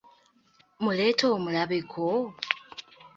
Mmuleete omulabe ko?